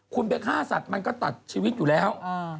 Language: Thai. คุณไปฆ่าสัตว์มันก็ตัดชีวิตอยู่แล้ว